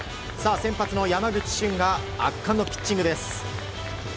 先発の山口俊が圧巻のピッチングです。